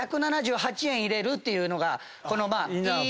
入れるっていうのが。